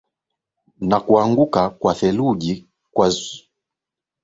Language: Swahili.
na kuanguka kwa theluji kwazidi kuleta kizaazaa katika usafiri nchini marekani